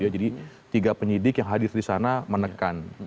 jadi tiga penyidik yang hadir di sana menekan